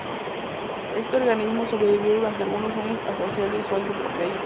Este organismo sobrevivió durante algunos años hasta ser disuelto por ley.